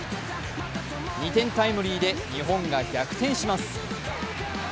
２点タイムリーで日本が逆転します